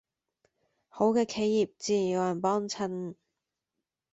好嘅企業自然有人幫襯